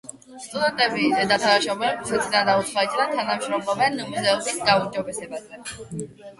სტუდენტები და თანამშრომლები რუსეთიდან და უცხოეთიდან თანამშრომლობენ მუზეუმის გაუმჯობესებაზე.